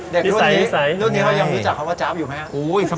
ดังนี้เขายังรู้จักคำว่าจาฟอยู่ไหม